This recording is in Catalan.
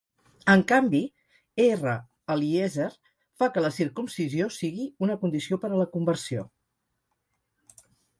En canvi, R. Eliezer fa que la circumcisió sigui una condició per a la conversió.